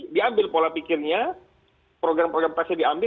diambil pola pikirnya program program pasti diambil